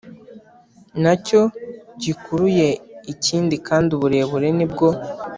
nacyo gikuruye ikindi kandi uburebure nibwo